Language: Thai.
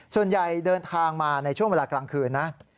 ส่วนใหญ่เดินทางมาในช่วงเวลากลางคืนนะ